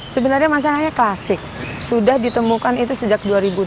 sebenarnya masalahnya klasik sudah ditemukan itu sejak dua ribu dua belas